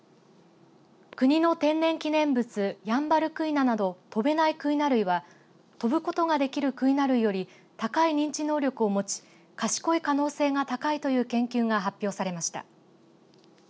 国の天然記念物ヤンバルクイナなど飛べないクイナ類は飛ぶことができるクイナ類より高い認知能力を持ち賢い可能性が高いという研究が発表されました。